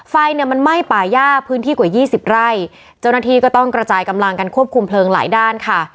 ไฟเนี่ยมันไหม้ป่าย่าพื้นที่กว่ายี่สิบไร่เจ้าหน้าที่ก็ต้องกระจายกำลังกันควบคุมเพลิงหลายด้านค่ะ